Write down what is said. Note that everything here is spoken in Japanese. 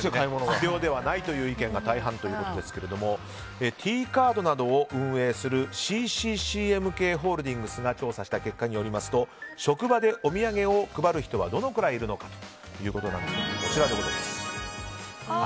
必要ではないという意見が大半ということですがＴカードなどを運営するＣＣＣＭＫホールディングスが調査した結果によりますと職場でお土産を配る人はどのぐらいいるのか、こちらです。